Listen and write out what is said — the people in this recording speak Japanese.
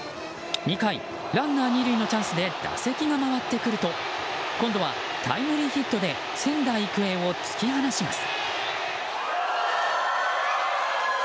２回、ランナー２塁のチャンスで打席が回ってくると今度はタイムリーヒットで仙台育英を突き放します。